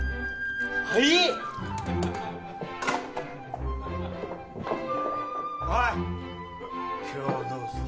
はいッおい今日はどうする？